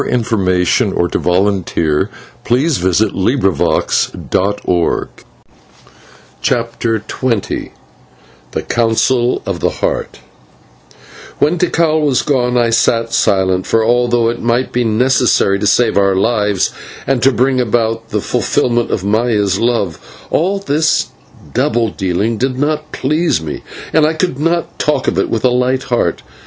Now farewell, for grief still shadows me, and I can talk no more." CHAPTER XX THE COUNCIL OF THE HEART Now, when Tikal was gone I sat silent, for although it might be necessary to save our lives, and to bring about the fulfilment of Maya's love, all this double dealing did not please me, and I could not talk of it with a light heart.